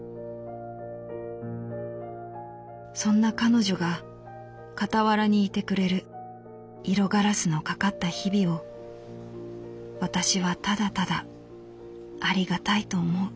「そんな彼女がかたわらにいてくれる色ガラスのかかった日々を私はただただありがたいと思う」。